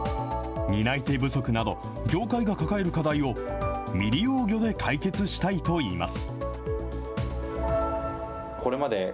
担い手不足など業界が抱える課題を未利用魚で解決したいと言います。